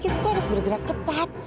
kita harus bergerak cepat